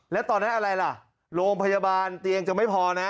แล้วตอนนั้นอะไรล่ะโรงพยาบาลเตียงจะไม่พอนะ